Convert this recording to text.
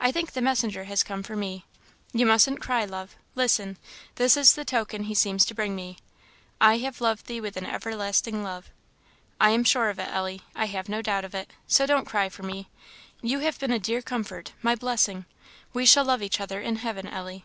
I think the messenger has come for me. You mustn't cry, love; listen this is the token he seems to bring me 'I have loved thee with an everlasting love.' I am sure of it, Ellie; I have no doubt of it; so don't cry for me. You have been my dear comfort, my blessing we shall love each other in heaven, Ellie."